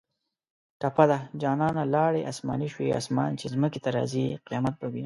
ټپه ده: جانانه لاړې اسماني شوې اسمان چې ځمکې ته راځۍ قیامت به وینه